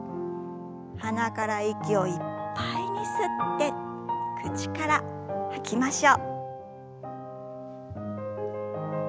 鼻から息をいっぱいに吸って口から吐きましょう。